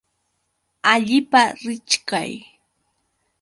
Allipa richkay.